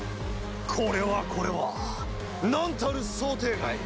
これはこれはなんたる想定外。